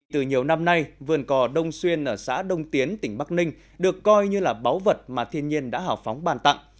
từ nhiều năm nay vườn cò đông xuyên ở xã đông tiến tỉnh bắc ninh được coi như là báu vật mà thiên nhiên đã hào phóng bàn tặng